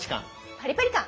パリパリ感。